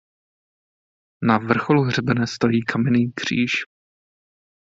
Na vrcholu hřebene stojí kamenný kříž.